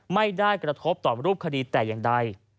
ไม่ได้กระทบต่อรูปคดีแต่อย่างใด